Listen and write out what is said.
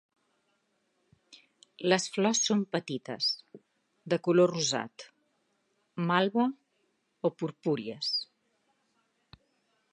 Les flors són petites, de color rosat, malva o purpúries.